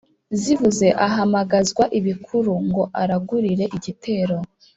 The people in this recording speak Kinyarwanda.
zivuze ahamagazwa ibukuru ngo aragurire igitero